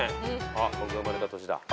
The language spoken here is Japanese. あっ僕が生まれた年だ。